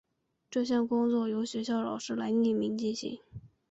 这项工作由学校老师来匿名进行。